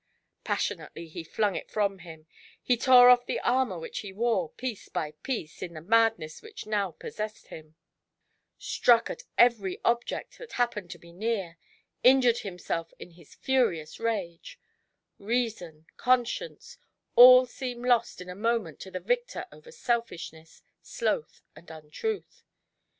Passionately he flimg it from him — ^he tore off the armour which he wore, piece by piece, in the mad ness which now possessed him— struck at every object that happened to be near — injured himself in his furious rage — reason, conscience, all seemed lost in a moment to the victor over Selfishness, Sloth, and Untruth.